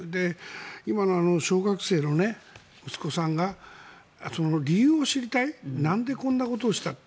今の小学生の息子さんが理由を知りたいなんでこんなことをしたって。